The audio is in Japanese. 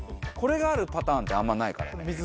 これがあるパターンってあんまないからね。